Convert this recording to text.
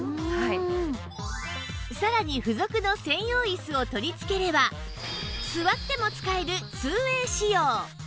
さらに付属の専用椅子を取り付ければ座っても使える ２ＷＡＹ 仕様